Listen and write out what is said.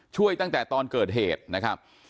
ช่วยตั้งแต่ตอนเกิดเหตุนะครับ